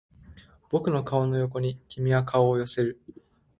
僕の顔の横に君は顔を寄せる